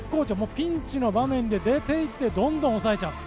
ピンチの場面で出て行ってどんどん抑えちゃう。